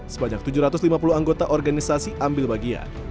sebanyak tujuh ratus lima puluh anggota organisasi ambil bagian